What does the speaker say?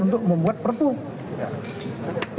untuk membuat perpung